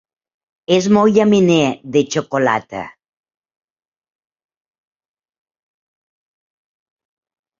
És molt llaminer de xocolata.